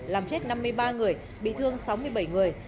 làm chết năm mươi ba người bị thương sáu mươi bảy người